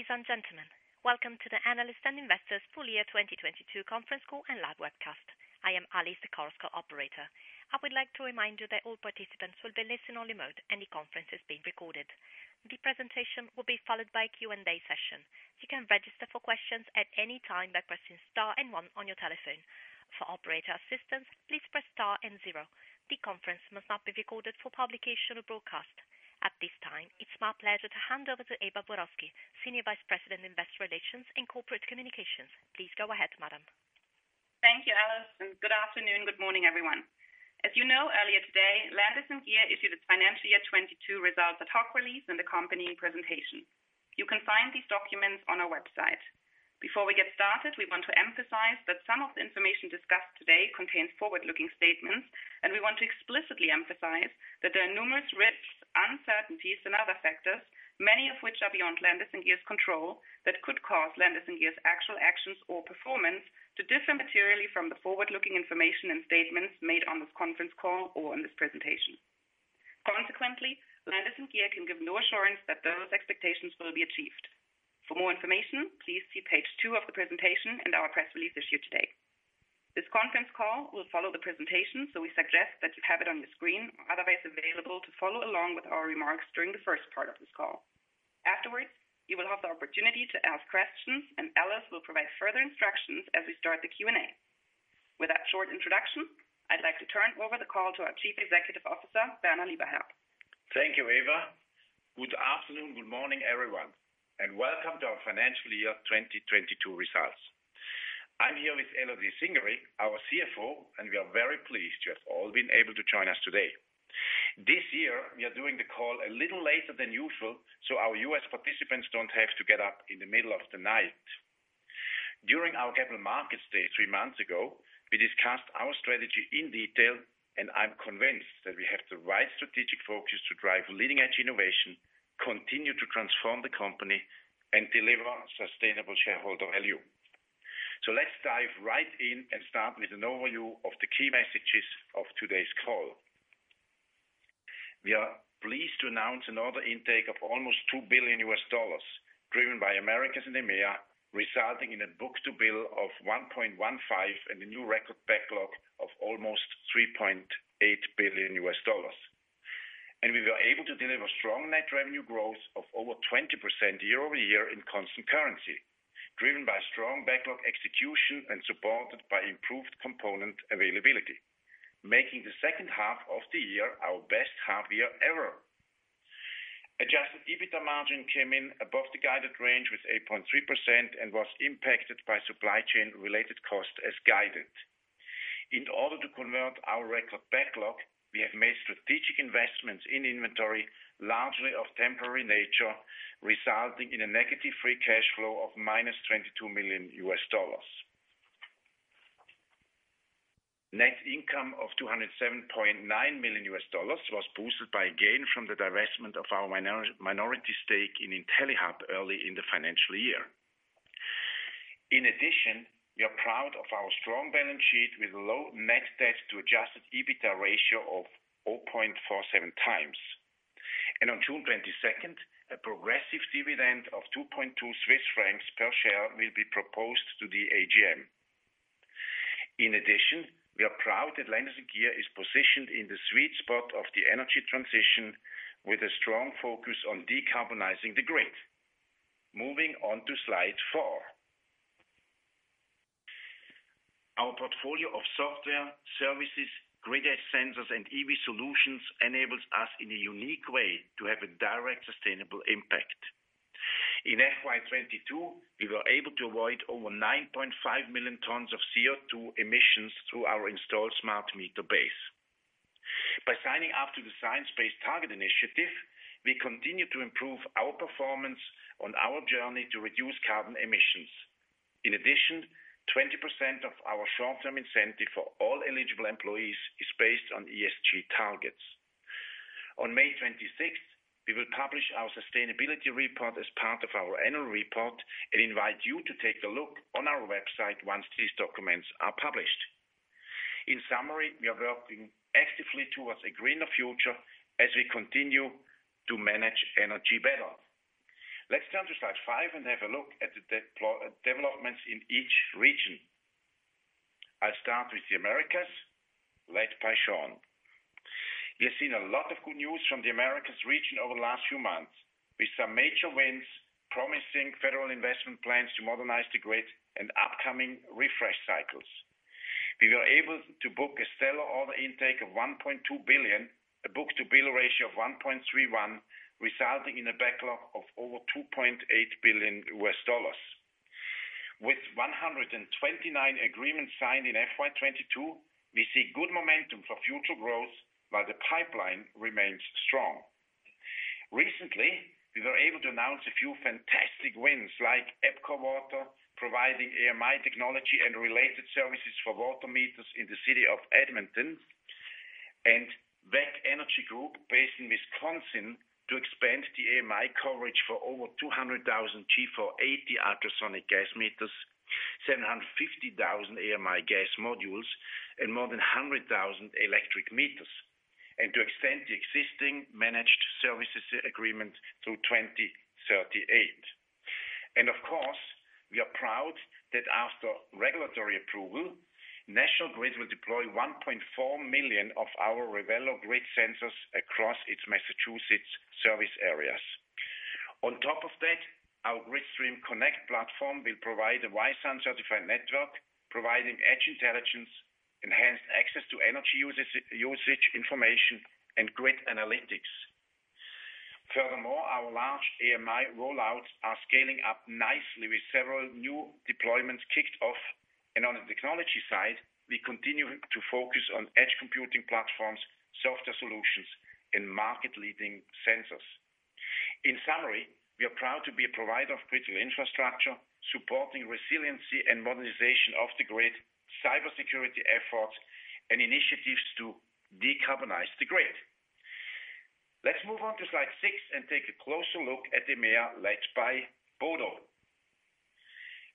Ladies and gentlemen, welcome to the Analyst and Investors Full Year 2022 conference call and live webcast. I am Alice, the Chorus Call operator. I would like to remind you that all participants will be listen only mode and the conference is being recorded. The presentation will be followed by a Q&A session. You can register for questions at any time by pressing star and one on your telephone. For operator assistance, please press star and zero. The conference must not be recorded for publication or broadcast. At this time, it's my pleasure to hand over to Eva Borowski, Senior Vice President, Investor Relations and Corporate Communications. Please go ahead, madam. Thank you, Alice. Good afternoon, good morning, everyone. As you know, earlier today, Landis+Gyr issued its financial year 22 results, a talk release, and the company presentation. You can find these documents on our website. Before we get started, we want to emphasize that some of the information discussed today contains forward-looking statements. We want to explicitly emphasize that there are numerous risks, uncertainties, and other factors, many of which are beyond Landis+Gyr's control, that could cause Landis+Gyr's actual actions or performance to differ materially from the forward-looking information and statements made on this conference call or on this presentation. Consequently, Landis+Gyr can give no assurance that those expectations will be achieved. For more information, please see page 2 of the presentation and our press release issued today. This conference call will follow the presentation. We suggest that you have it on your screen or otherwise available to follow along with our remarks during the first part of this call. Afterwards, you will have the opportunity to ask questions and Alice will provide further instructions as we start the Q&A. With that short introduction, I'd like to turn over the call to our Chief Executive Officer, Werner Lieberherr. Thank you, Eva. Good afternoon, good morning, everyone, and welcome to our financial year 2022 results. I'm here with Elodie Cingari, our CFO, and we are very pleased you have all been able to join us today. This year we are doing the call a little later than usual, so our U.S. participants don't have to get up in the middle of the night. During our capital markets day three months ago, we discussed our strategy in detail and I'm convinced that we have the right strategic focus to drive leading-edge innovation, continue to transform the company, and deliver sustainable shareholder value. Let's dive right in and start with an overview of the key messages of today's call. We are pleased to announce another intake of almost $2 billion driven by Americas and EMEA, resulting in a book-to-bill of 1.15 and a new record backlog of almost $3.8 billion. We were able to deliver strong net revenue growth of over 20% year-over-year in constant currency, driven by strong backlog execution and supported by improved component availability, making the second half of the year our best half year ever. Adjusted EBITDA margin came in above the guided range with 8.3% and was impacted by supply chain-related costs as guided. In order to convert our record backlog, we have made strategic investments in inventory largely of temporary nature, resulting in a negative free cash flow of -$22 million. Net income of $207.9 million was boosted by a gain from the divestment of our minority stake in Intellihub early in the financial year. We are proud of our strong balance sheet with low net debt to adjusted EBITDA ratio of 0.47 times. On June 22nd, a progressive dividend of 2.2 Swiss francs per share will be proposed to the AGM. We are proud that Landis+Gyr is positioned in the sweet spot of the energy transition with a strong focus on decarbonizing the grid. Moving on to slide 4. Our portfolio of software services, grid edge sensors and EV solutions enables us in a unique way to have a direct sustainable impact. In FY 2022, we were able to avoid over 9.5 million tons of CO2 emissions through our installed smart meter base. By signing up to the Science Based Targets initiative, we continue to improve our performance on our journey to reduce carbon emissions. In addition, 20% of our short-term incentive for all eligible employees is based on ESG targets. On May 26th, we will publish our sustainability report as part of our annual report and invite you to take a look on our website once these documents are published. In summary, we are working actively towards a greener future as we continue to manage energy better. Let's turn to slide 5 and have a look at the developments in each region. I'll start with the Americas, led by Sean. We have seen a lot of good news from the Americas region over the last few months with some major wins promising federal investment plans to modernize the grid and upcoming refresh cycles. We were able to book a sell or intake of $1.2 billion, a book-to-bill ratio of 1.31, resulting in a backlog of over $2.8 billion. With 129 agreements signed in FY22, we see good momentum for future growth while the pipeline remains strong. Recently, we were able to announce a few fantastic wins like EPCOR Water, providing AMI technology and related services for water meters in the city of Edmonton, and WEC Energy Group based in Wisconsin to expand the AMI coverage for over 200,000 G480 ultrasonic gas meters, 750,000 AMI gas modules, and more than 100,000 electric meters. To extend the existing managed services agreement through 2038. Of course, we are proud that after regulatory approval, National Grid will deploy 1.4 million of our Revelo grid sensors across its Massachusetts service areas. On top of that, our Gridstream Connect platform will provide a Wi-SUN certified network, providing edge intelligence, enhanced access to energy usage information, and grid analytics. Furthermore, our large AMI rollouts are scaling up nicely with several new deployments kicked off. On the technology side, we continue to focus on edge computing platforms, software solutions, and market-leading sensors. In summary, we are proud to be a provider of critical infrastructure, supporting resiliency and modernization of the grid, cybersecurity efforts, and initiatives to decarbonize the grid. Let's move on to slide 6 and take a closer look at EMEA, led by Bodo.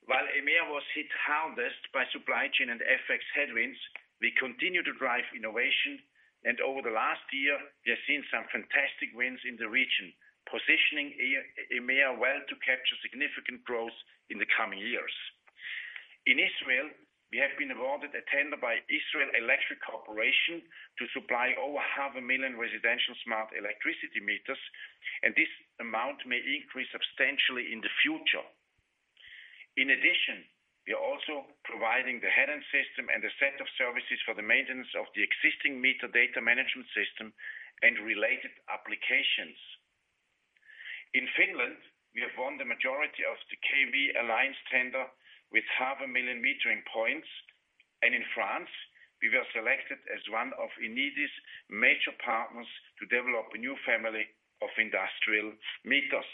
While EMEA was hit hardest by supply chain and FX headwinds, we continue to drive innovation. Over the last year, we have seen some fantastic wins in the region, positioning EMEA well to capture significant growth in the coming years. In Israel, we have been awarded a tender by Israel Electric Corporation to supply over half a million residential smart electricity meters, and this amount may increase substantially in the future. In addition, we are also providing the Heron system and a set of services for the maintenance of the existing meter data management system and related applications. In Finland, we have won the majority of the KV Alliance tender with half a million metering points. In France, we were selected as one of Enedis' major partners to develop a new family of industrial meters.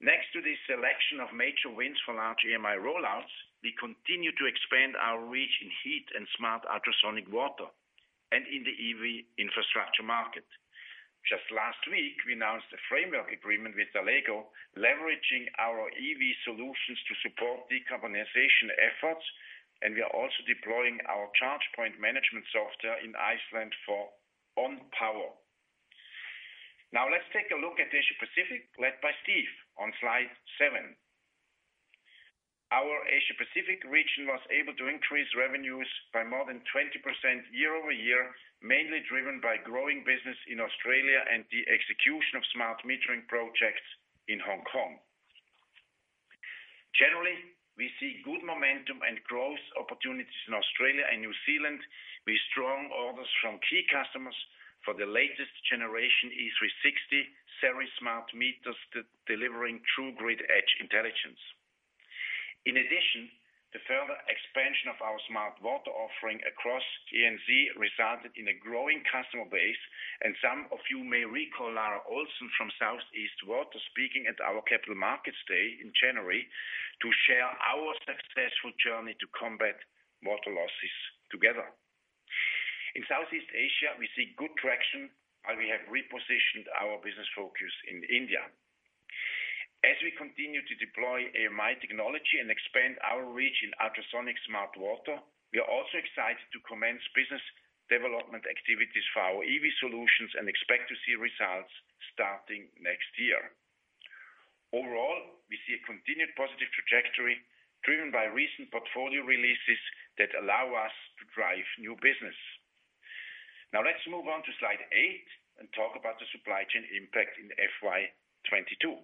Next to this selection of major wins for large AMI rollouts, we continue to expand our reach in heat and smart ultrasonic water and in the EV infrastructure market. Just last week, we announced a framework agreement with Allego, leveraging our EV solutions to support decarbonization efforts, and we are also deploying our charge point management software in Iceland for ON Power. Now let's take a look at Asia Pacific, led by Steve, on slide 7. Our Asia Pacific region was able to increase revenues by more than 20% year-over-year, mainly driven by growing business in Australia and the execution of smart metering projects in Hong Kong. Generally, we see good momentum and growth opportunities in Australia and New Zealand with strong orders from key customers for the latest generation E360 series smart meters delivering true grid edge intelligence. In addition, the further expansion of our smart water offering across ANZ resulted in a growing customer base. Some of you may recall Lara Olsen from Southeast Water speaking at our Capital Markets Day in January to share our successful journey to combat water losses together. In Southeast Asia, we see good traction while we have repositioned our business focus in India. As we continue to deploy AMI technology and expand our reach in ultrasonic smart water, we are also excited to commence business development activities for our EV solutions and expect to see results starting next year. Overall, we see a continued positive trajectory driven by recent portfolio releases that allow us to drive new business. Let's move on to slide 8 and talk about the supply chain impact in FY 2022.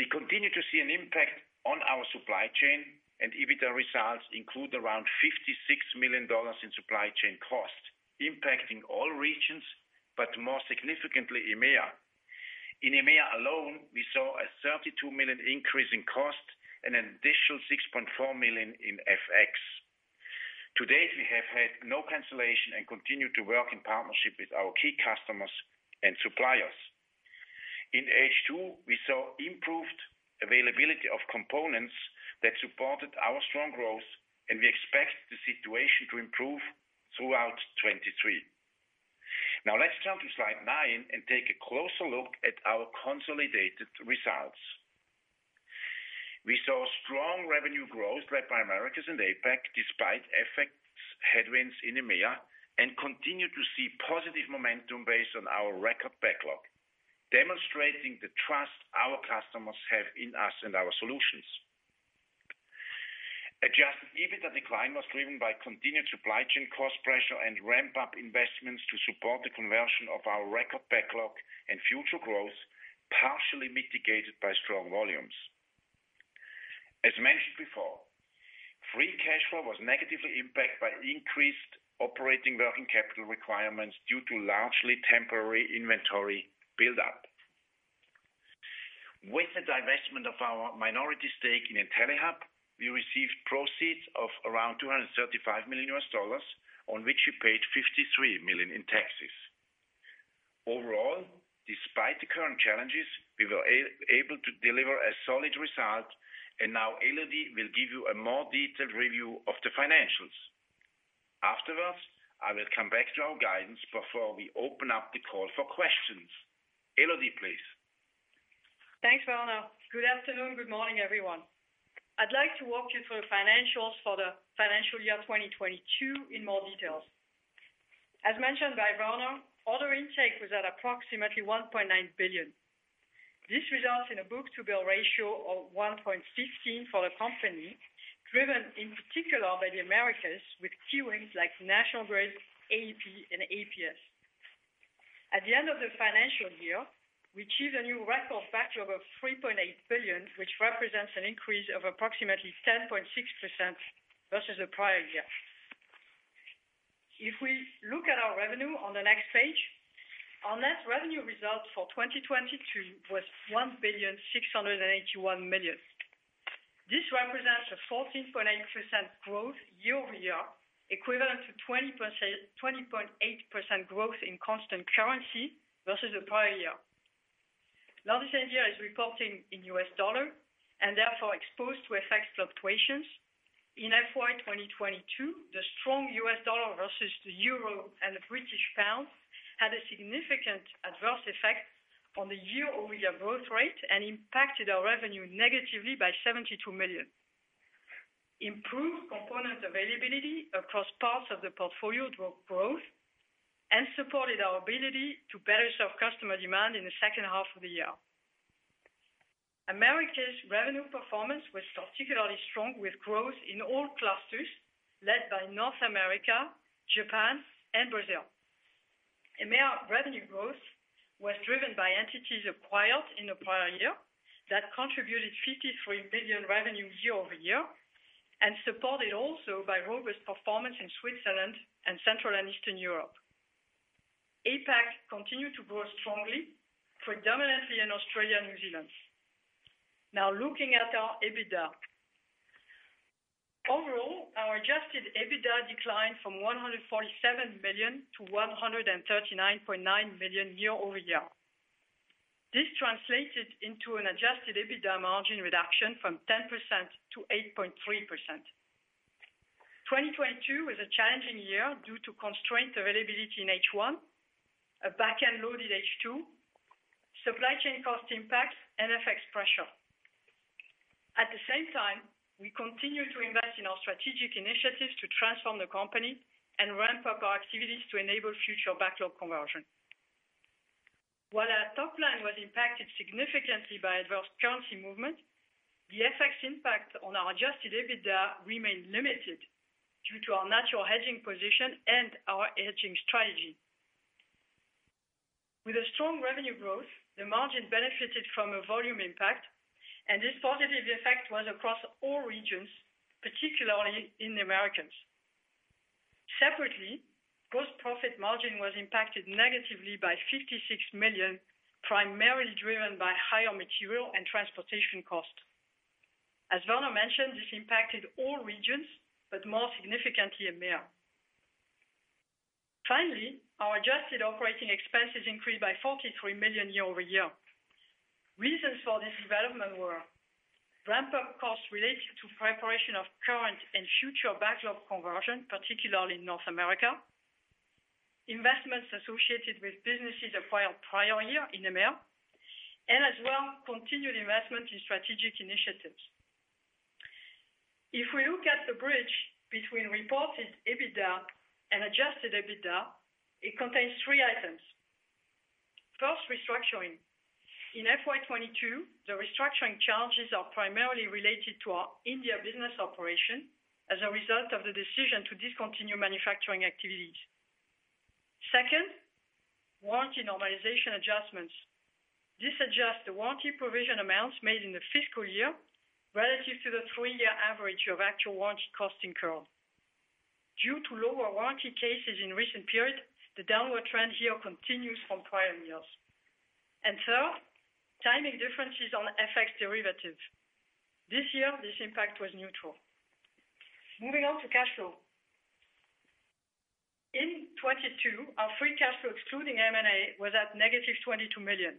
We continue to see an impact on our supply chain, and EBITDA results include around $56 million in supply chain costs, impacting all regions, but more significantly, EMEA. In EMEA alone, we saw a $32 million increase in cost and an additional $6.4 million in FX. To date, we have had no cancellation and continue to work in partnership with our key customers and suppliers. In H2, we saw improved availability of components that supported our strong growth, and we expect the situation to improve throughout 2023. Let's turn to slide nine and take a closer look at our consolidated results. We saw strong revenue growth led by Americas and APAC, despite FX headwinds in EMEA, and continue to see positive momentum based on our record backlog, demonstrating the trust our customers have in us and our solutions. Adjusted EBITDA decline was driven by continued supply chain cost pressure and ramp-up investments to support the conversion of our record backlog and future growth, partially mitigated by strong volumes. As mentioned before, free cash flow was negatively impacted by increased operating working capital requirements due to largely temporary inventory buildup. With the divestment of our minority stake in Intellihub, we received proceeds of around $235 million, on which we paid $53 million in taxes. Overall, despite the current challenges, we were able to deliver a solid result. Now Elodie will give you a more detailed review of the financials. Afterwards, I will come back to our guidance before we open up the call for questions. Elodie, please. Thanks, Werner. Good afternoon, good morning, everyone. I'd like to walk you through the financials for the financial year 2022 in more details. As mentioned by Werner, order intake was at approximately $1.9 billion. This results in a book-to-bill ratio of 1.16 for the company, driven in particular by the Americas with key wins like National Grid, AEP, and APS. At the end of the financial year, we achieved a new record factor of $3.8 billion, which represents an increase of approximately 10.6% versus the prior year. We look at our revenue on the next page, our net revenue results for 2022 was $1,681 million. This represents a 14.8% growth year-over-year, equivalent to 20.8% growth in constant currency versus the prior year. Landis+Gyr India is reporting in U.S. .dollar and therefore exposed to FX fluctuations. In FY 2022, the strong U.S. dollar versus the euro and the British pound had a significant adverse effect on the year-over-year growth rate and impacted our revenue negatively by $72 million. Improved component availability across parts of the portfolio drove growth and supported our ability to better serve customer demand in the second half of the year. Americas revenue performance was particularly strong with growth in all clusters led by North America, Japan, and Brazil. EMEA revenue growth was driven by entities acquired in the prior year that contributed $53 million revenue year-over-year and supported also by robust performance in Switzerland and Central and Eastern Europe. APAC continued to grow strongly, predominantly in Australia and New Zealand. Now looking at our EBITDA. Overall, our adjusted EBITDA declined from $147 million to $139.9 million year-over-year. This translated into an adjusted EBITDA margin reduction from 10%-8.3%. 2022 was a challenging year due to constraint availability in H1, a backend-loaded H2, supply chain cost impacts, and FX pressure. At the same time, we continue to invest in our strategic initiatives to transform the company and ramp up our activities to enable future backlog conversion. While our top line was impacted significantly by adverse currency movement, the FX impact on our adjusted EBITDA remained limited due to our natural hedging position and our hedging strategy. With a strong revenue growth, the margin benefited from a volume impact, and this positive effect was across all regions, particularly in the Americas. Separately, gross profit margin was impacted negatively by $56 million, primarily driven by higher material and transportation costs. As Werner mentioned, this impacted all regions, but more significantly EMEA. Our adjusted operating expenses increased by $43 million year-over-year. Reasons for this development were ramp-up costs related to preparation of current and future backlog conversion, particularly in North America, investments associated with businesses acquired prior year in EMEA, and as well, continued investment in strategic initiatives. If we look at the bridge between reported EBITDA and adjusted EBITDA, it contains three items. First, restructuring. In FY 2022, the restructuring charges are primarily related to our India business operation as a result of the decision to discontinue manufacturing activities. Second, warranty normalization adjustments. This adjusts the warranty provision amounts made in the fiscal year relative to the 3-year average of actual warranty costs incurred. Due to lower warranty cases in recent periods, the downward trend here continues from prior years. Third, timing differences on FX derivatives. This year, this impact was neutral. Moving on to cash flow. In 2022, our free cash flow excluding M&A was at -$22 million.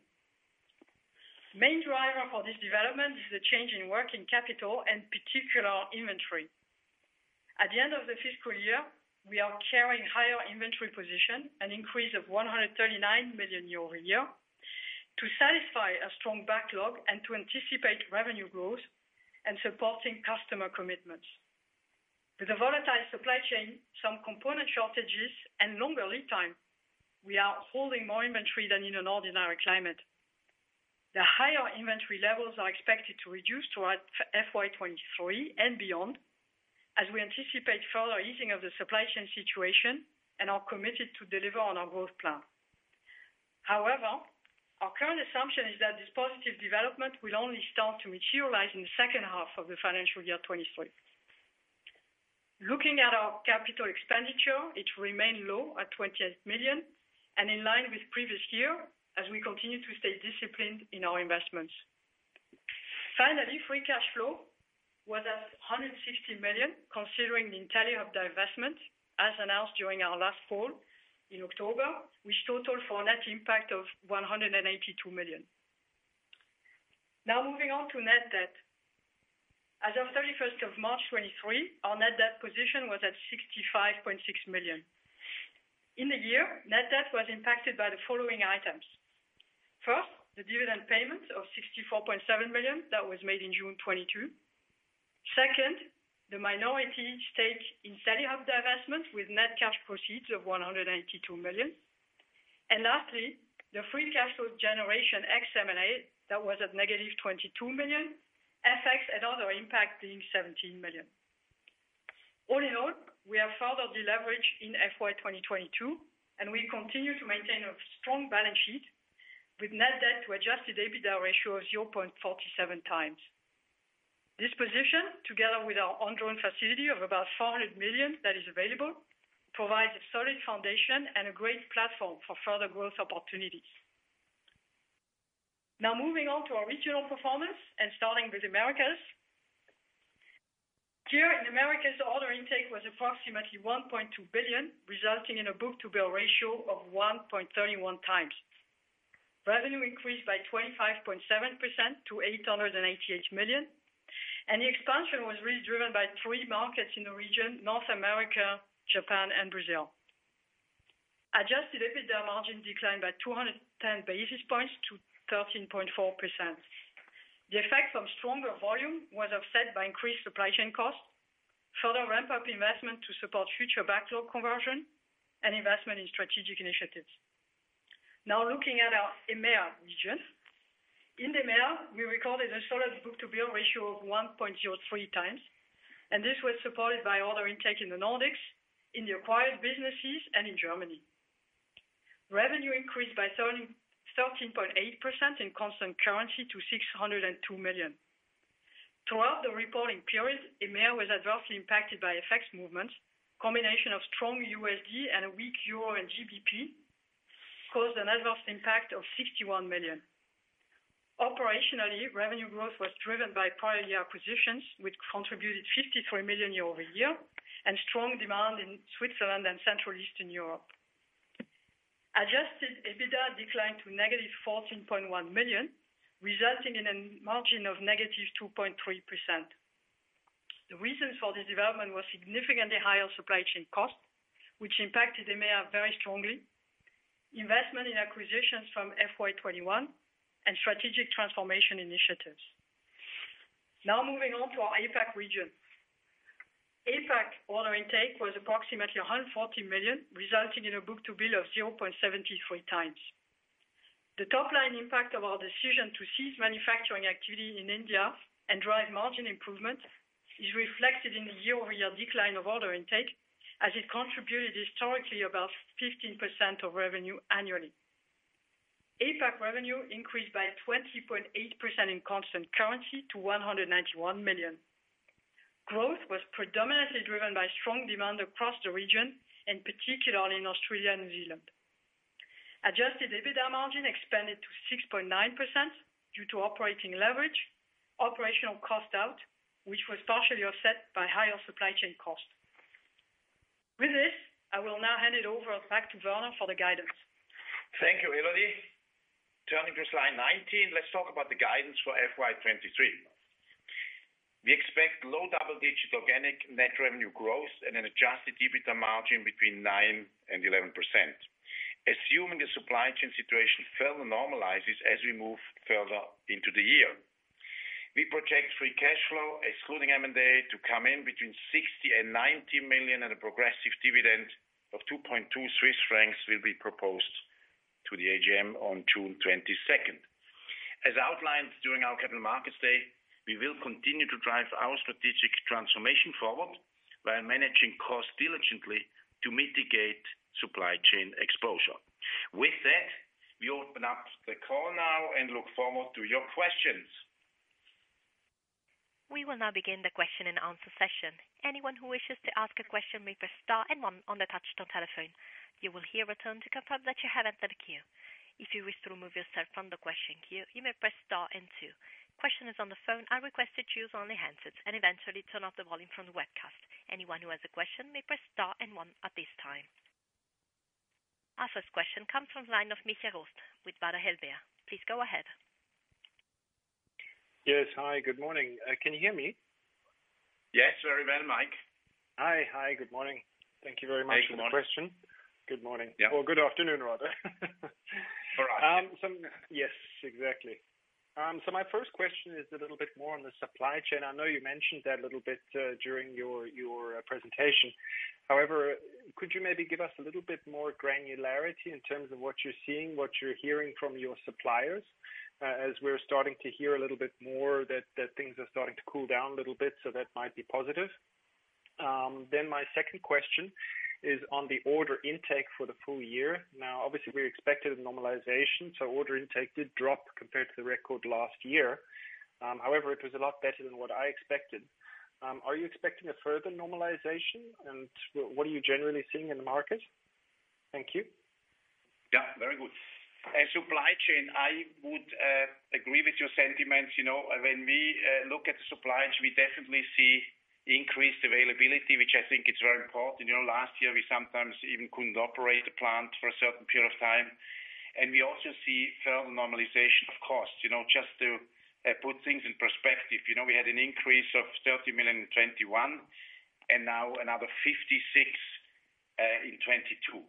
Main driver for this development is the change in working capital and particular inventory. At the end of the fiscal year, we are carrying higher inventory position, an increase of $139 million year-over-year, to satisfy a strong backlog and to anticipate revenue growth and supporting customer commitments. With a volatile supply chain, some component shortages, and longer lead time, we are holding more inventory than in an ordinary climate. The higher inventory levels are expected to reduce toward FY 2023 and beyond as we anticipate further easing of the supply chain situation and are committed to deliver on our growth plan. Our current assumption is that this positive development will only start to materialize in the second half of the financial year 2023. Looking at our capital expenditure, it remained low at $28 million and in line with previous year as we continue to stay disciplined in our investments. Free cash flow was at $160 million, considering the Intellihub divestment, as announced during our last call in October, which totaled for a net impact of $182 million. Moving on to net debt. As of thirty first of March 2023, our net debt position was at $65.6 million. In the year, net debt was impacted by the following items. The dividend payment of $64.7 million that was made in June 2022. The minority stake in Celio divestment with net cash proceeds of $182 million. Lastly, the free cash flow generation ex M&A that was at negative $22 million, FX and other impact being $17 million. All in all, we have further deleveraged in FY 2022, and we continue to maintain a strong balance sheet with net debt to adjusted EBITDA ratio of 0.47 times. This position, together with our undrawn facility of about $400 million that is available, provides a solid foundation and a great platform for further growth opportunities. Moving on to our regional performance and starting with Americas. Here in Americas, order intake was approximately $1.2 billion, resulting in a book-to-bill ratio of 1.31 times. Revenue increased by 25.7% to $888 million. The expansion was really driven by three markets in the region, North America, Japan, and Brazil. Adjusted EBITDA margin declined by 210 basis points to 13.4%. The effect from stronger volume was offset by increased supply chain costs, further ramp-up investment to support future backlog conversion, and investment in strategic initiatives. Looking at our EMEA region. In EMEA, we recorded a solid book-to-bill ratio of 1.03 times. This was supported by order intake in the Nordics, in the acquired businesses, and in Germany. Revenue increased by 13.8% in constant currency to $602 million. Throughout the reporting period, EMEA was adversely impacted by FX movements. Combination of strong USD and a weak EUR and GBP caused an adverse impact of $61 million. Operationally, revenue growth was driven by prior year acquisitions, which contributed $53 million year-over-year, and strong demand in Switzerland and Central Eastern Europe. Adjusted EBITDA declined to -$14.1 million, resulting in a margin of -2.3%. The reasons for this development was significantly higher supply chain costs, which impacted EMEA very strongly, investment in acquisitions from FY 2021, and strategic transformation initiatives. Moving on to our APAC region. APAC order intake was approximately $140 million, resulting in a book-to-bill of 0.73 times. The top-line impact of our decision to cease manufacturing activity in India and drive margin improvement is reflected in the year-over-year decline of order intake, as it contributed historically about 15% of revenue annually. APAC revenue increased by 20.8% in constant currency to $191 million. Growth was predominantly driven by strong demand across the region, and particularly in Australia and New Zealand. Adjusted EBITDA margin expanded to 6.9% due to operating leverage, operational cost out, which was partially offset by higher supply chain costs. With this, I will now hand it over back to Werner for the guidance. Thank you, Elodie. Turning to slide 19, let's talk about the guidance for FY 2023. We expect low double-digit organic net revenue growth and an adjusted EBITDA margin between 9% and 11%, assuming the supply chain situation further normalizes as we move further into the year. We project free cash flow, excluding M&A, to come in between $60 million and $90 million, and a progressive dividend of 2.2 Swiss francs will be proposed to the AGM on June 22nd. As outlined during our Capital Markets Day, we will continue to drive our strategic transformation forward by managing costs diligently to mitigate supply chain exposure. With that, we open up the call now and look forward to your questions. We will now begin the question and answer session. Anyone who wishes to ask a question may press star and one on the touchtone telephone. You will hear a tone to confirm that you have entered the queue. If you wish to remove yourself from the question queue, you may press star and two. Questioners on the phone are requested to use only handsets and eventually turn off the volume from the webcast. Anyone who has a question may press star and one at this time. Our first question comes from the line of Michael Roost with Baader Helvea. Please go ahead. Yes. Hi, good morning. Can you hear me? Yes, very well, Mike. Hi. Hi, good morning. Thank you very much for the question. Good morning. Good morning. Yeah. Good afternoon rather. For us, yeah. Yes, exactly. My first question is a little bit more on the supply chain. I know you mentioned that a little bit during your presentation. Could you maybe give us a little bit more granularity in terms of what you're seeing, what you're hearing from your suppliers, as we're starting to hear a little bit more that things are starting to cool down a little bit, so that might be positive? My second question is on the order intake for the full year. Obviously we expected a normalization, so order intake did drop compared to the record last year. It was a lot better than what I expected. Are you expecting a further normalization, and what are you generally seeing in the market? Thank you. Yeah, very good. Supply chain, I would agree with your sentiments. You know, when we look at the supply chain, we definitely see increased availability, which I think is very important. You know, last year we sometimes even couldn't operate the plant for a certain period of time. We also see further normalization of costs. You know, just to put things in perspective, you know, we had an increase of $30 million in 2021, and now another $56 million in 2022.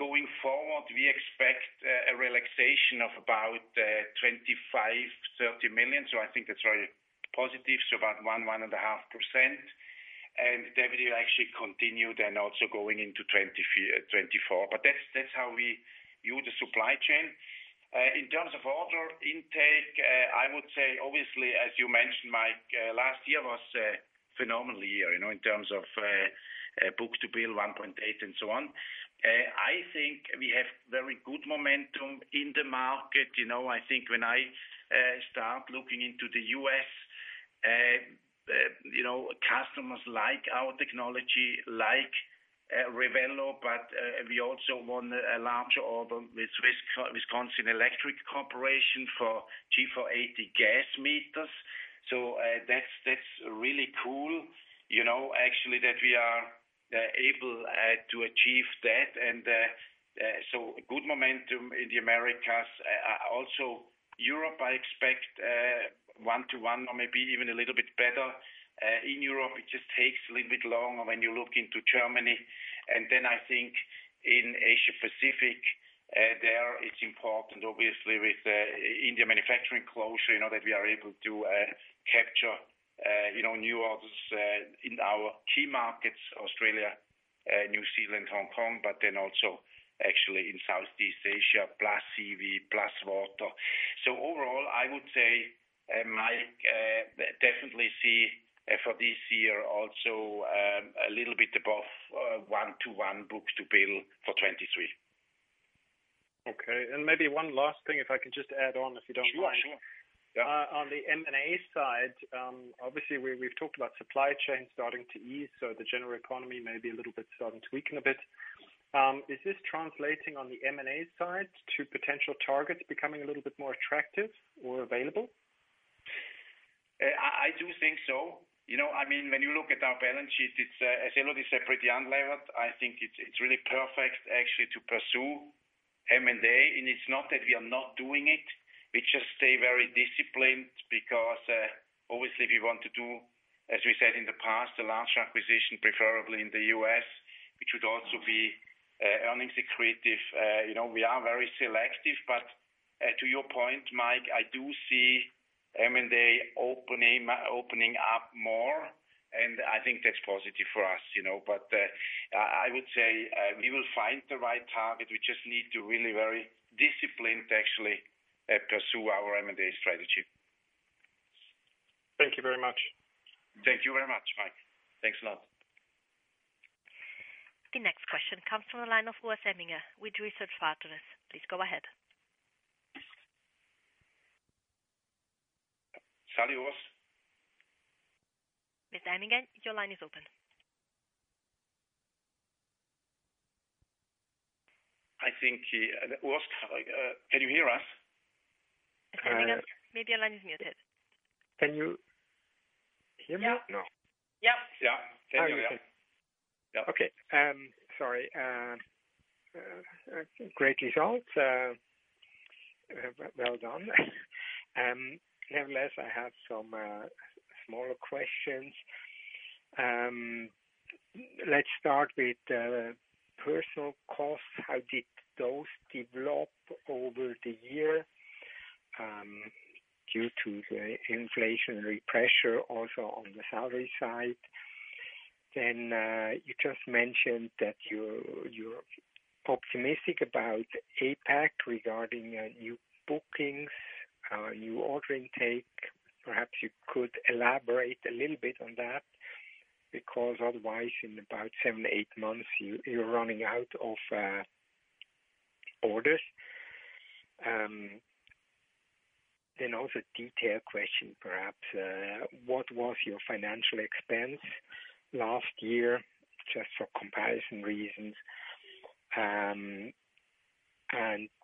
Going forward, we expect a relaxation of about $25 million-$30 million. I think that's very positive. About 1.5%. That will actually continue then also going into 2024. That's how we view the supply chain. intake, I would say, obviously, as you mentioned, Mike, last year was a phenomenal year, you know, in terms of book-to-bill 1.8 and so on. I think we have very good momentum in the market. You know, I think when I start looking into the U.S., you know, customers like our technology, like Revelo, but we also won a larger order with Wisconsin Public Service Corporation for G480 gas meters. So, that's really cool, you know, actually, that we are able to achieve that. And so good momentum in the Americas. Also Europe, I expect 1-to-1 or maybe even a little bit better. In Europe, it just takes a little bit longer when you look into Germany. I think in Asia Pacific, there it's important obviously with India manufacturing closer, you know, that we are able to capture, you know, new orders in our key markets, Australia, New Zealand, Hong Kong, but then also actually in Southeast Asia, plus CV, plus water. Overall, I would say, Mike, definitely see for this year also, a little bit above 1-to-1 book-to-bill for 2023. Okay. Maybe one last thing, if I can just add on, if you don't mind. Sure. Sure. Yeah. On the M&A side, obviously we've talked about supply chain starting to ease, the general economy may be a little bit starting to weaken a bit. Is this translating on the M&A side to potential targets becoming a little bit more attractive or available? I do think so. You know, I mean, when you look at our balance sheet, it's, as Elodie said, pretty unlevered. I think it's really perfect actually to pursue M&A. It's not that we are not doing it. We just stay very disciplined because obviously we want to do, as we said in the past, a large acquisition, preferably in the U.S., which would also be earnings accretive. You know, we are very selective. To your point, Mike, I do see M&A opening up more, and I think that's positive for us, you know. I would say, we will find the right target. We just need to really very disciplined to actually pursue our M&A strategy. Thank you very much. Thank you very much, Mike. Thanks a lot. The next question comes from the line of Urs Emminger with Research Partners. Please go ahead. Salut, Urs. Mr. Emminger, your line is open. I think, Urs, can you hear us? I think maybe your line is muted. Can you hear me? No. Yeah. Yeah. Can you hear? Okay. Sorry. Great results. Well, well done. Nevertheless, I have some smaller questions. Let's start with personal costs. How did those develop over the year due to the inflationary pressure also on the salary side? You just mentioned that you're optimistic about APAC regarding new bookings, new order intake. Perhaps you could elaborate a little bit on that, because otherwise, in about seven, eight months, you're running out of orders. Also detailed question, perhaps, what was your financial expense last year? Just for comparison reasons.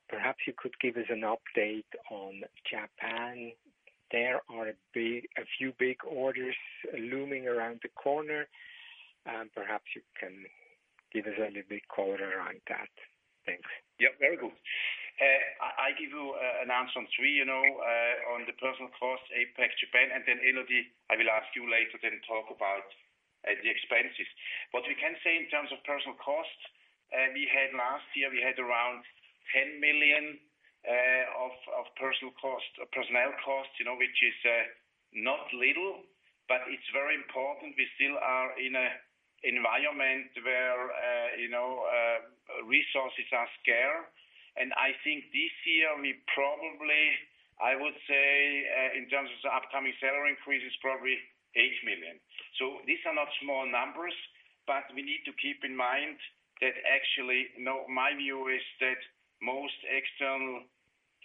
Perhaps you could give us an update on Japan. There are a few big orders looming around the corner, and perhaps you can give us a little bit color around that. Thanks. Yeah. Very good. I give you an answer on three, you know, on the personal cost, APAC, Japan, and Elodie, I will ask you later then talk about the expenses. What we can say in terms of personnel costs, we had last year, we had around $10 million of personnel costs, you know, which is not little, but it's very important. We still are in an environment where, you know, resources are scarce. I think this year we probably, I would say, in terms of the upcoming salary increase, is probably $8 million. These are not small numbers, but we need to keep in mind that actually, you know, my view is that most external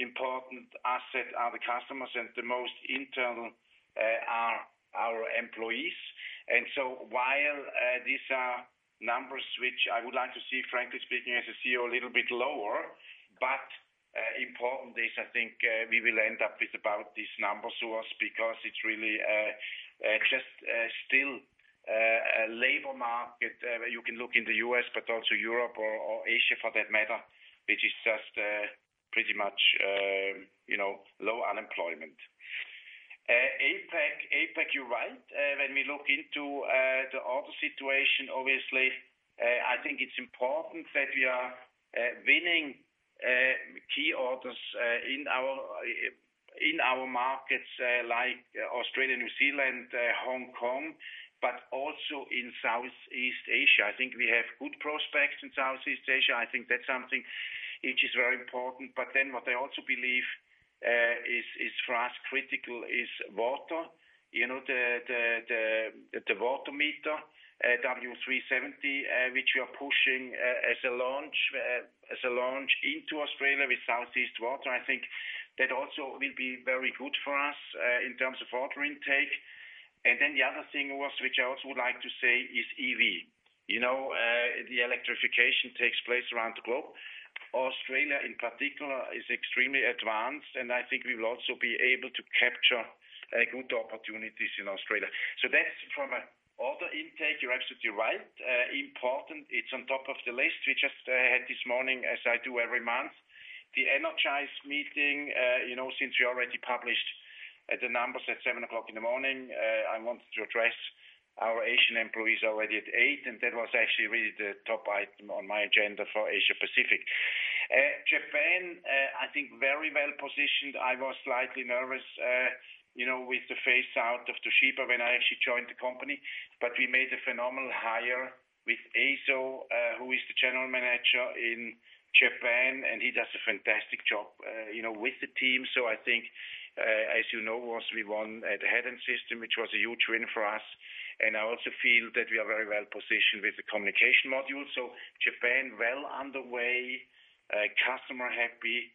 important asset are the customers, and the most internal are our employees. While these are numbers which I would like to see, frankly speaking, as a CEO, a little bit lower, important is I think we will end up with about these numbers, Urs, because it's really just a labor market, you can look in the U.S. but also Europe or Asia for that matter, which is just pretty much, you know, low unemployment. APAC, you're right. When we look into the order situation, obviously, I think it's important that we are winning key orders in our markets like Australia, New Zealand, Hong Kong, but also in Southeast Asia. I think we have good prospects in Southeast Asia. I think that's something which is very important. What I also believe is for us critical is water. You know, the water meter W370, which we are pushing as a launch into Australia with South East Water. I think that also will be very good for us in terms of order intake. The other thing was, which I also would like to say is EV. You know, the electrification takes place around the globe. Australia in particular is extremely advanced, and I think we will also be able to capture good opportunities in Australia. That's from an order intake. You're absolutely right. Important, it's on top of the list. We just had this morning, as I do every month, the Energize meeting. You know, since we already published the numbers at 7:00 in the morning, I wanted to address our Asian employees already at 8:00, and that was actually really the top item on my agenda for Asia-Pacific. Japan, I think very well positioned. I was slightly nervous, you know, with the phase out of Toshiba when I actually joined the company. We made a phenomenal hire with Eizo, who is the general manager in Japan, and he does a fantastic job, you know, with the team. I think, as you know, Ross, we won at the Head-End system, which was a huge win for us. I also feel that we are very well positioned with the communication module. Japan well underway, customer happy.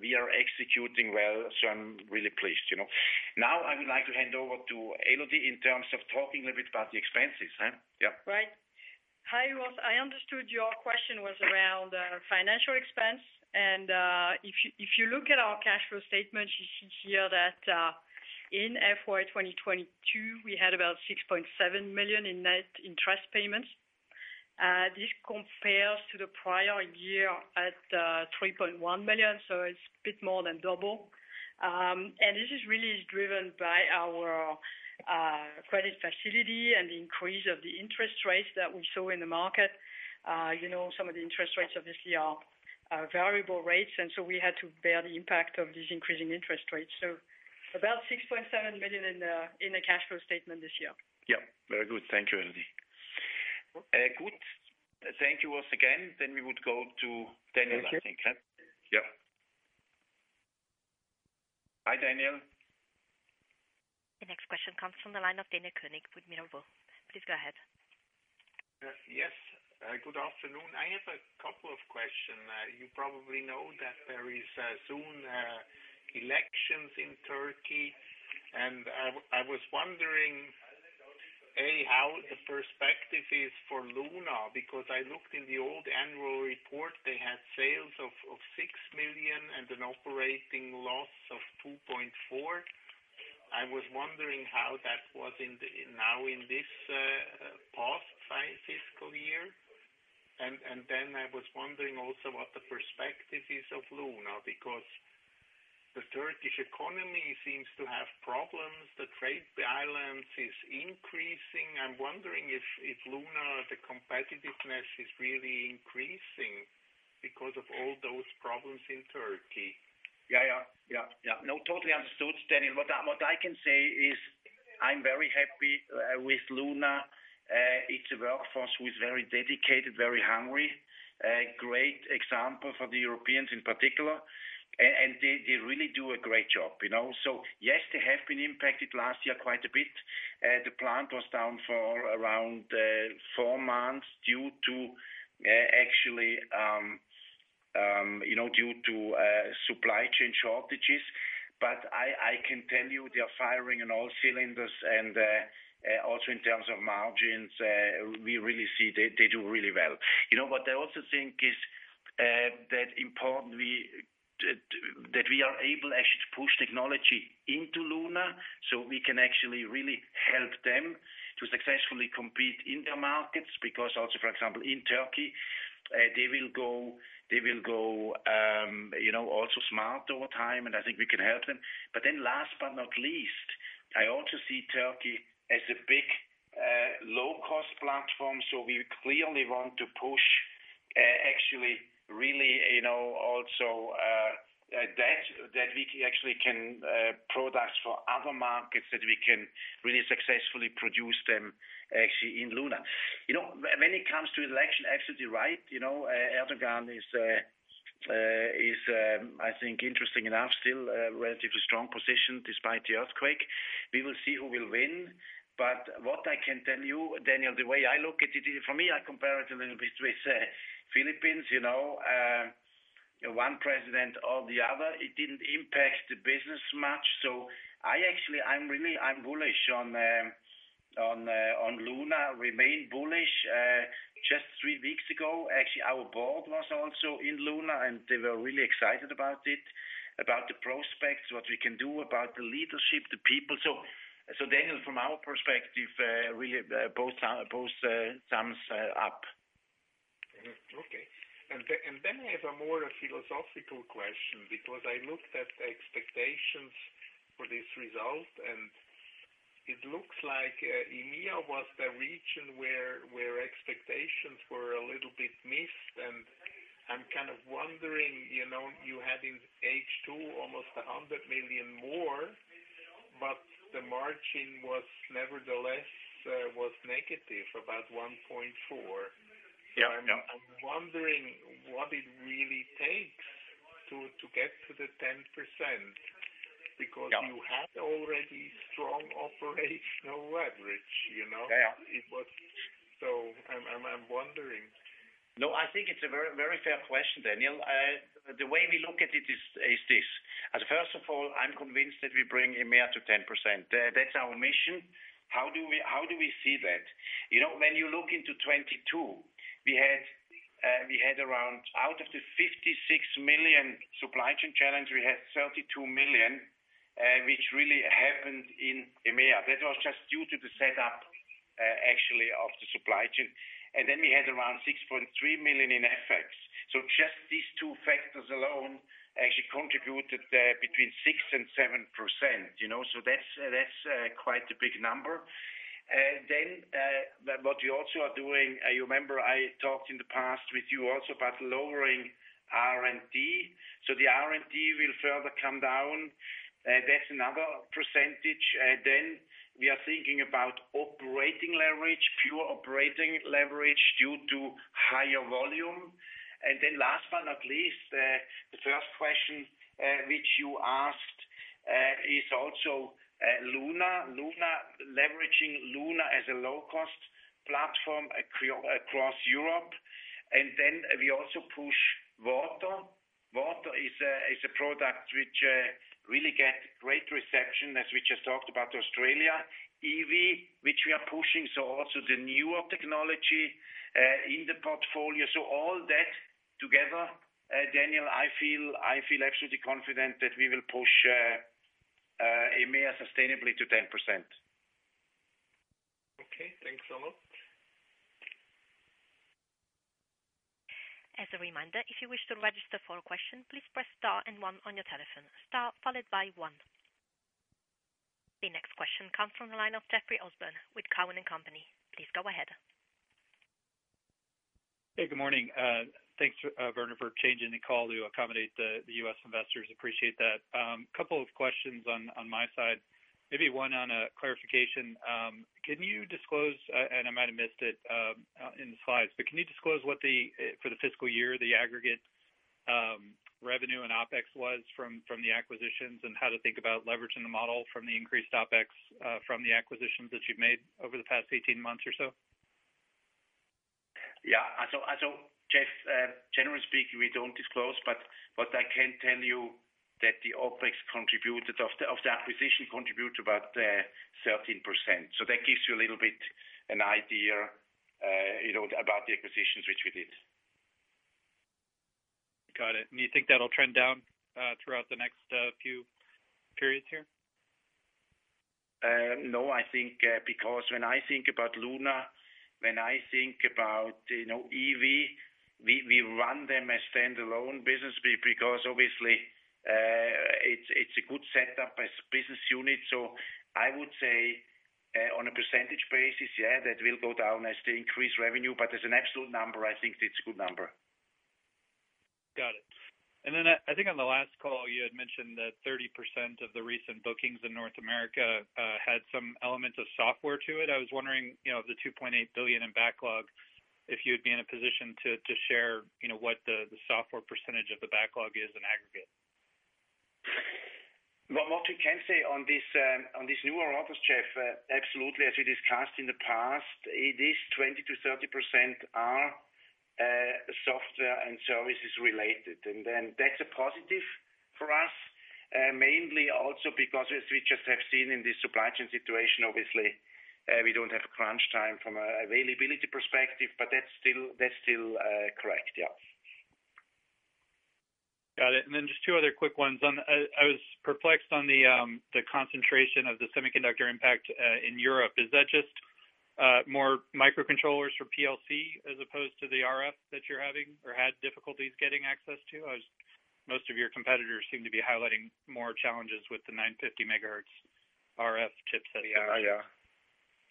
We are executing well, so I'm really pleased, you know. Now I would like to hand over to Elodie in terms of talking a little bit about the expenses. Yeah. Right. Hi, Ross. I understood your question was around financial expense, and if you look at our cash flow statement, you should hear that in FY 2022, we had about $6.7 million in trust payments. This compares to the prior year at $3.1 million, so it's a bit more than double. This is really driven by our credit facility and the increase of the interest rates that we saw in the market. You know, some of the interest rates obviously are variable rates, and so we had to bear the impact of these increasing interest rates. About $6.7 million in the cash flow statement this year. Yeah. Very good. Thank you, Elodie. good. Thank you once again. We would go to Daniel, I think. Yeah. Hi, Daniel. The next question comes from the line of Daniel König with Mirabaud. Please go ahead. Yes. Good afternoon. I have a couple of questions. You probably know that there is soon elections in Turkey. I was wondering, A, how the perspective is for Luna. Because I looked in the old annual report, they had sales of $6 million and an operating loss of $2.4. I was wondering how that was now in this past fiscal year. I was wondering also what the perspective is of Luna, because the Turkish economy seems to have problems. The trade balance is increasing. I'm wondering if Luna, the competitiveness is really increasing because of all those problems in Turkey. Yeah. Yeah. Yeah. Yeah. Totally understood, Daniel. What I can say is I'm very happy with Luna. It's a workforce who is very dedicated, very hungry. A great example for the Europeans in particular, and they really do a great job, you know. Yes, they have been impacted last year quite a bit. The plant was down for around four months due to actually, you know, due to supply chain shortages. I can tell you they are firing on all cylinders and also in terms of margins, we really see they do really well. You know, what I also think is that importantly that we are able actually to push technology into Luna, we can actually really help them to successfully compete in their markets. Also, for example, in Turkey, they will go, you know, also smart over time, and I think we can help them. Last but not least, I also see Turkey as a big low cost platform. We clearly want to push actually really, you know, also that we actually can products for other markets, that we can really successfully produce them actually in Luna. You know, when it comes to election, actually you're right. You know, Erdogan is, I think interesting enough, still relatively strong position despite the earthquake. We will see who will win. What I can tell you, Daniel, the way I look at it, for me, I compare it a little bit with Philippines, you know. One president or the other, it didn't impact the business much. I'm bullish on Luna. Remain bullish. Just three weeks ago, actually, our board was also in Luna, and they were really excited about it, about the prospects, what we can do about the leadership, the people. Daniel, from our perspective, really both thumbs up. Mm-hmm. Okay. I have a more philosophical question, because I looked at the expectations for this result, and it looks like EMEA was the region where expectations were a little bit missed. I'm kind of wondering, you know, you had in H2 almost $100 million more, but the margin was nevertheless negative, about 1.4%. Yeah. Yeah. I'm wondering what it really takes to get to the 10%. Yeah. You had already strong operational leverage, you know? Yeah. I'm wondering. No, I think it's a very, very fair question, Daniel. The way we look at it is this. First of all, I'm convinced that we bring EMEA to 10%. That's our mission. How do we see that? You know, when you look into FY22, we had Out of the $56 million supply chain challenge, we had $32 million, which really happened in EMEA. That was just due to the setup, actually, of the supply chain. Then we had around $6.3 million in FX. Just these two factors alone actually contributed, between 6% and 7%, you know. That's quite a big number. Then, what we also are doing, you remember I talked in the past with you also about lowering R&D. The R&D will further come down. That's another %. We are thinking about operating leverage, pure operating leverage due to higher volume. Last but not least, the first question, which you asked, is also Luna. Luna, leveraging Luna as a low-cost platform across Europe. We also push Varta. Varta is a product which really get great reception, as we just talked about Australia. EV, which we are pushing, so also the newer technology in the portfolio. All that together, Daniel, I feel absolutely confident that we will push EMEA sustainably to 10%. Okay. Thanks a lot. As a reminder, if you wish to register for a question, please press star and one on your telephone. Star followed by one. The next question comes from the line of Jeffrey Osborne with Cowen and Company. Please go ahead. Hey, good morning. Thanks, Werner, for changing the call to accommodate the U.S. investors. Appreciate that. Couple of questions on my side. Maybe one on a clarification. Can you disclose, and I might have missed it in the slides, but can you disclose what the for the fiscal year, the aggregate revenue and OpEx was from the acquisitions and how to think about leveraging the model from the increased OpEx from the acquisitions that you've made over the past 18 months or so? Yeah. Jeff, generally speaking, we don't disclose, but I can tell you that the OpEx of the acquisition contribute about 13%. That gives you a little bit an idea, you know, about the acquisitions which we did. Got it. You think that'll trend down, throughout the next, few periods here? No, I think, because when I think about Luna, when I think about, you know, EV, we run them as standalone business because obviously, it's a good setup as a business unit. I would say, on a percentage basis, yeah, that will go down as they increase revenue, but as an absolute number, I think it's a good number. Got it. I think on the last call, you had mentioned that 30% of the recent bookings in North America had some elements of software to it. I was wondering, you know, of the $2.8 billion in backlog, if you would be in a position to share, you know, what the software percentage of the backlog is in aggregate? Well, what we can say on this, on this newer office, Jeff, absolutely. As we discussed in the past, it is 20% to 30% are software and services related. That's a positive for us, mainly also because as we just have seen in this supply chain situation, obviously, we don't have crunch time from a availability perspective, but that's still correct, yeah. Got it. Just two other quick ones. I was perplexed on the concentration of the semiconductor impact in Europe. Is that just more microcontrollers for PLC as opposed to the RF that you're having or had difficulties getting access to? As most of your competitors seem to be highlighting more challenges with the 950 megahertz RF chips. Yeah. Yeah.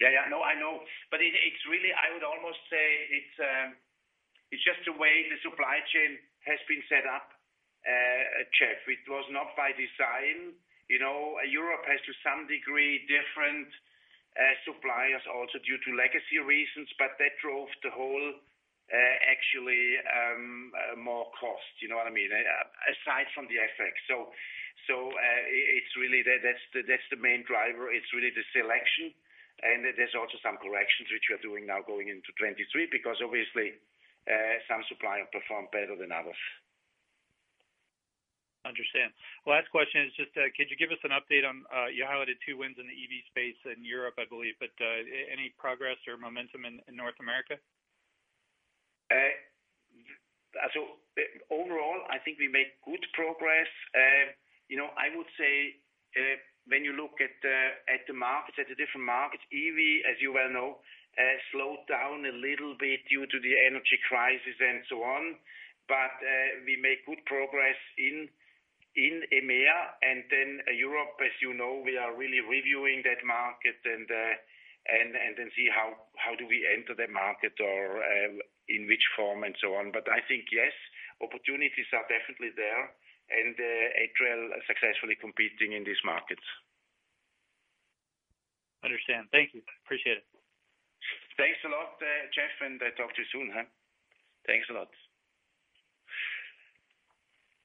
Yeah, yeah. No, I know. It's really I would almost say it's just the way the supply chain has been set up, Jeff. It was not by design. You know, Europe has to some degree different suppliers also due to legacy reasons, but that drove the whole, actually, more cost. You know what I mean? Aside from the FX. It's really that that's the main driver. It's really the selection. There's also some corrections which we are doing now going into 2023, because obviously, some suppliers perform better than others. Last question is just, could you give us an update on, you highlighted two wins in the EV space in Europe, I believe, but, any progress or momentum in North America? Overall, I think we made good progress. you know, I would say, when you look at the markets, at the different markets, EV, as you well know, has slowed down a little bit due to the energy crisis and so on. We make good progress in EMEA and then Europe, as you know, we are really reviewing that market and then see how do we enter the market or, in which form and so on. I think, yes, opportunities are definitely there and Itron successfully competing in these markets. Understand. Thank you. Appreciate it. Thanks a lot, Jeff. Talk to you soon, huh? Thanks a lot.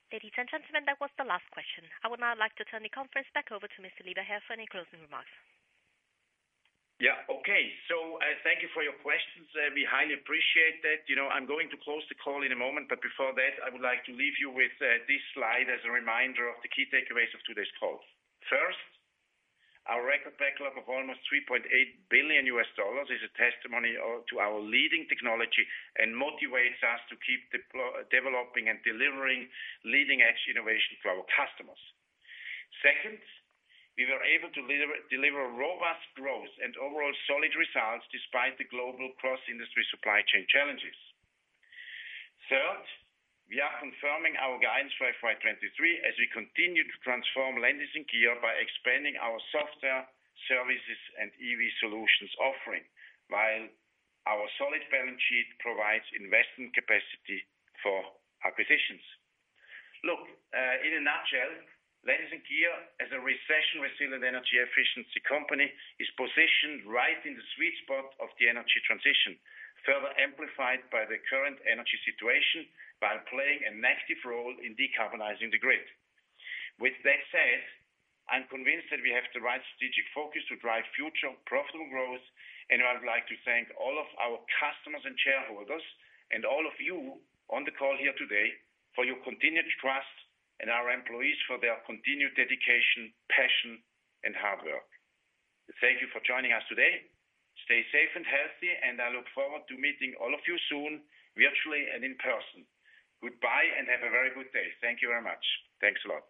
Ladies and gentlemen, that was the last question. I would now like to turn the conference back over to Mr. Lieberherr for any closing remarks. Okay. Thank you for your questions. We highly appreciate that. You know, I'm going to close the call in a moment, but before that, I would like to leave you with this slide as a reminder of the key takeaways of today's call. First, our record backlog of almost $3.8 billion is a testimony to our leading technology and motivates us to keep developing and delivering leading-edge innovation to our customers. Second, we were able to deliver robust growth and overall solid results despite the global cross-industry supply chain challenges. Third, we are confirming our guidance for FY 2023 as we continue to transform Landis+Gyr by expanding our software services and EV solutions offering, while our solid balance sheet provides investment capacity for acquisitions. Look, in a nutshell, Landis+Gyr as a recession-resilient energy efficiency company is positioned right in the sweet spot of the energy transition, further amplified by the current energy situation by playing an active role in decarbonizing the grid. With that said, I'm convinced that we have the right strategic focus to drive future profitable growth, and I would like to thank all of our customers and shareholders and all of you on the call here today for your continued trust, and our employees for their continued dedication, passion, and hard work. Thank you for joining us today. Stay safe and healthy, and I look forward to meeting all of you soon, virtually and in person. Goodbye, and have a very good day. Thank you very much. Thanks a lot.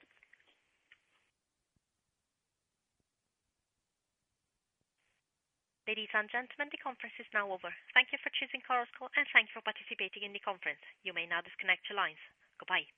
Ladies and gentlemen, the conference is now over. Thank you for choosing Chorus Call, and thank you for participating in the conference. You may now disconnect your lines. Goodbye.